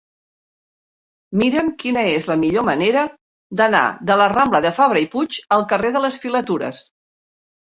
Mira'm quina és la millor manera d'anar de la rambla de Fabra i Puig al carrer de les Filatures.